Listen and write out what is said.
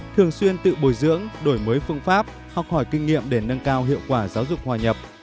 thường xuyên tự bồi dưỡng đổi mới phương pháp học hỏi kinh nghiệm để nâng cao hiệu quả giáo dục hòa nhập